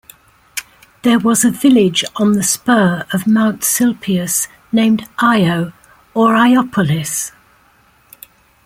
There was a village on the spur of Mount Silpius named Io, or Iopolis.